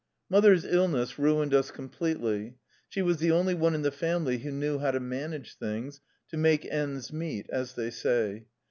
Mother's illness ruined us completely. She was the only one in the family who knew how to manage things, to make ends meet, as they say.